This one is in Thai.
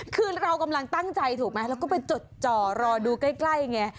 คือเรากำลังตั้งใจถูกไหมเราก็ไปจดจ่อรอดูใกล้ไง